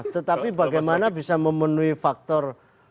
tetapi bagaimana bisa memenuhi faktor